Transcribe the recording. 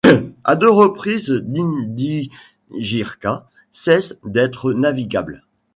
À deux reprises l'Indighirka cesse d'être navigable.